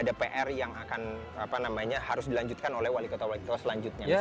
itu pr yang akan apa namanya harus dilanjutkan oleh wali kota wali kota selanjutnya misalkan